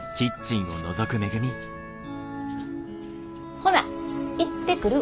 ほな行ってくるわ。